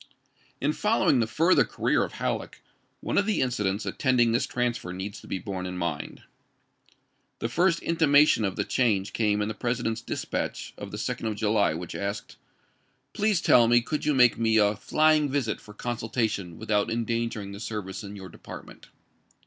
In following the further career of Halleck, one of the incidents attending this transfer needs to be borne in mind. The first intimation of the change came in the President's dispatch of the 2d of July which asked :" Please tell me could you make me a fljdug visit for consultation without endangering the service in your department